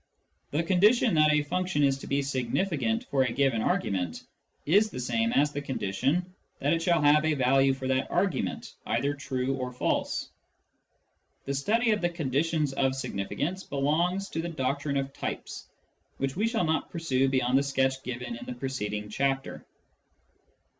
The condition that a function is to be significant for a given argument is the same as the condition that it shall have a value for that argument, either true or false. The study of the conditions of significance belongs to the doctrine of types, which we shall not pursue beyond the sketch given in the preceding chapter.